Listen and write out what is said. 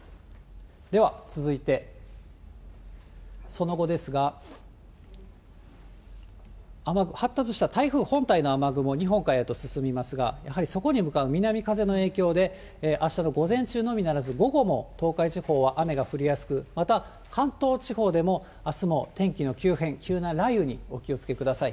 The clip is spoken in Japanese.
では続いて、その後ですが、発達した台風本体の雨雲、日本海へと進みますが、やはりそこに向かう南風の影響で、あしたの午前中のみならず、午後も東海地方は雨が降りやすく、また関東地方でもあすも天気の急変、急な雷雨にお気をつけください。